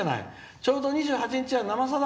ちょうど２８日は『生さだ』